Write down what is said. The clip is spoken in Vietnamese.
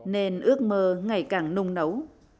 nên ước mơ ngày càng nung nấu